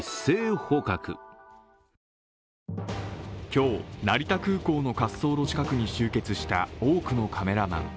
今日、成田空港の滑走路近くに集結した多くのカメラマン。